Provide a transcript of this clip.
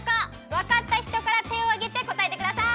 わかったひとからてをあげてこたえてください！